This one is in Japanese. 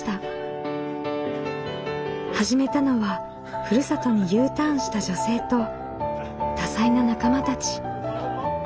始めたのはふるさとにＵターンした女性と多彩な仲間たち。